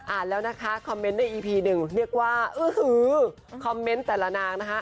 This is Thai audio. แล้วนะคะคอมเมนต์ในอีพีหนึ่งเรียกว่าอื้อหือคอมเมนต์แต่ละนางนะคะ